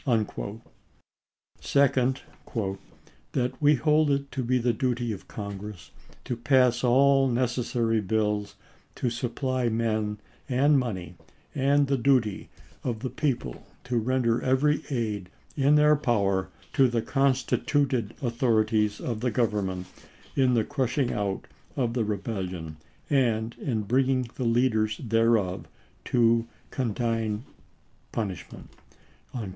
Second :" That we hold it to be the duty of Congress to pass all necessary bills to suppty men and money, and the duty of the people to render every aid in their power to the constituted authorities of the Government in the crushing out of the rebellion and in bringing the leaders thereof to condign punishment."